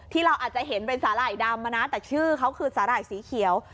ที่เราอาจจะเห็นเป็นสาหร่ายดำนะแต่ชื่อเขาคือสาหร่ายสีเขียว